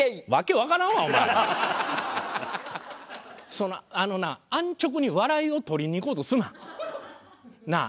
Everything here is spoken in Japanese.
そのあのな安直に笑いを取りにいこうとすな！なあ？